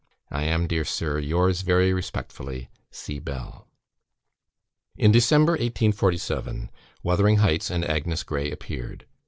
I am, dear Sir, yours very respectfully, C. BELL." In December, 1847, "Wuthering Heights" and "Agnes Grey" appeared.